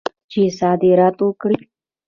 چې صادرات وکړي.